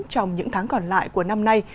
trong những tháng còn lại của năm nay